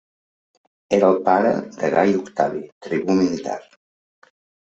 Era el pare de Gai Octavi, tribú militar.